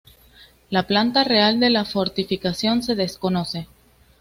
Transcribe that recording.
La planta real de la fortificación se desconoce.